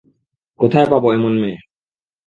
কোথায় পাবো এমন মেয়ে?